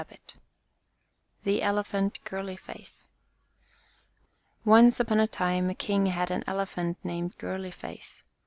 XI THE ELEPHANT GIRLY FACE ONCE upon a time a king had an Elephant named Girly face.